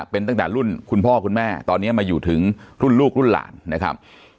เป็นตั้งแต่รุ่นคุณพ่อคุณแม่ตอนนี้มาอยู่ถึงรุ่นลูกรุ่นหลานนะครับ